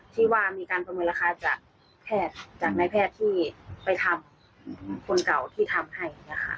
ที่ว่ามีการอะเหรอคะจากแพทย์ที่ไปทำคนก่อนที่ทำให้